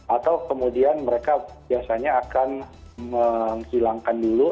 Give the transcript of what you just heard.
atau kemudian mereka biasanya akan menghilangkan dulu